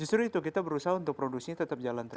justru itu kita berusaha untuk produksinya tetap jalan terus